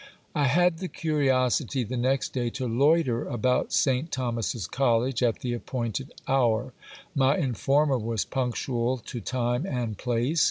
I had the curiosity the next day to loiter about St Thomas's college at the appointed hour. My informer was punctual to time and place.